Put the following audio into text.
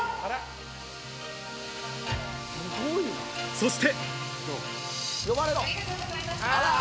そして。